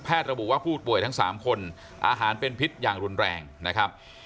ระบุว่าผู้ป่วยทั้ง๓คนอาหารเป็นพิษอย่างรุนแรงนะครับ